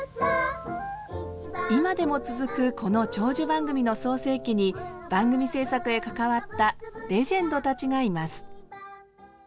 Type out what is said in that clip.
今でも続くこの長寿番組の創成期に番組制作へ関わったレジェンドたちがいます。